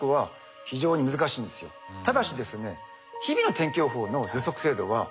ただしですね